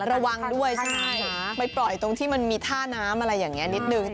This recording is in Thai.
ระวังด้วยใช่ไหมคะไปปล่อยตรงที่มันมีท่าน้ำอะไรอย่างนี้นิดนึง